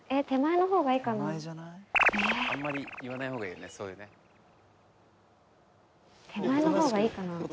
手前のほうがいいかな？